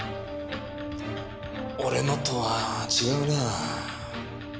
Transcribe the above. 俺のとは違うなぁ。